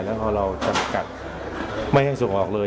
และการเราการจัดไม่ให้ส่งออกเลย